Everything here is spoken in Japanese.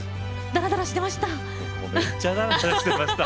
だらだらしていました。